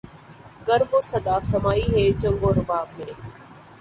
گر وہ صدا سمائی ہے چنگ و رباب میں